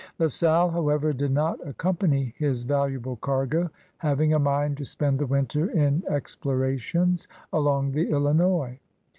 La Salle, however, did not accompany his valuable cargo, having a mind to spend the winter in explorations along the Illinois.